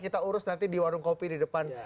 kita urus nanti di warung kopi di depan